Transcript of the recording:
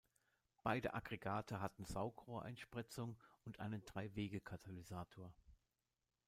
Beide Aggregate hatten Saugrohreinspritzung und einen Drei-Wege-Katalysator.